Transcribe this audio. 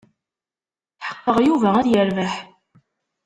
Tḥeqqeɣ Yuba ad yerbeḥ.